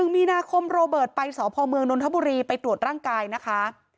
มีนาคมโรเบิร์ตไปสพเมืองนนทบุรีไปตรวจร่างกายนะคะ